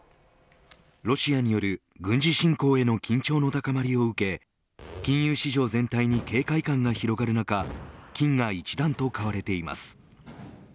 ロシアによる軍事侵攻への緊張の高まりを受け金融市場全体に警戒感が広がる中金が一段と買われています。